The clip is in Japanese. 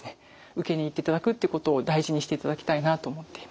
受けに行っていただくってことを大事にしていただきたいなと思っています。